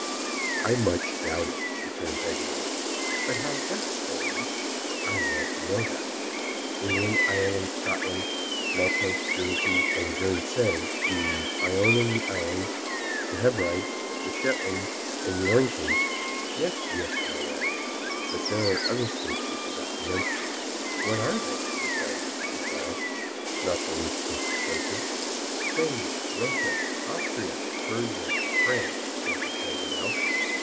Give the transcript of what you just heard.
"I much doubt it," returned Paganel. "But how's that, Toline, for I want to know that?" "England, Ireland, Scotland, Malta, Jersey and Guern sey, the Ionian Islands, the Hebrides, the Shetlands, and the Orkneys." "Yes, yes, my lad; but there are other states you forgot to mention." "What are they?" replied the child, not the least disconcerted. "Spain, Russia, Austria, Prussia, France," answered Paganel.